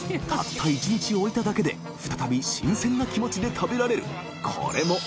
磴燭辰殖影置いただけで討新鮮な気持ちで食べられる磴